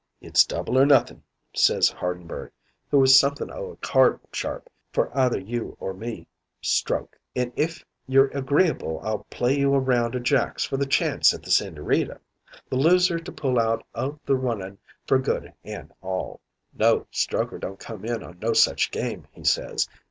"'It's double or nothing,' says Hardenberg, who is somethin' o' a card sharp, 'for either you or me, Stroke; an' if you're agreeable I'll play you a round o' jacks for the chance at the Sigñorita the loser to pull out o' the running for good an' all.' "No, Strokher don't come in on no such game, he says.